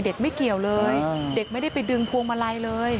ไม่เกี่ยวเลยเด็กไม่ได้ไปดึงพวงมาลัยเลย